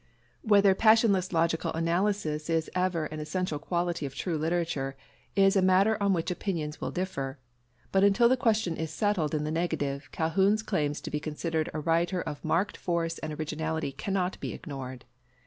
Whether passionless logical analysis is ever an essential quality of true literature, is a matter on which opinions will differ; but until the question is settled in the negative, Calhoun's claims to be considered a writer of marked force and originality cannot be ignored.